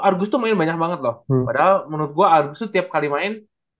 argus tuh main banyak banget loh padahal menurut gue argus tuh tiap kali main